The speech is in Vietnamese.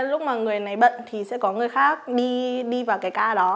lúc mà người này bận thì sẽ có người khác đi vào cái ca đó